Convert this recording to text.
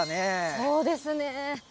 そうですね。